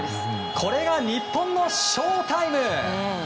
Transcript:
これが日本のショウタイム。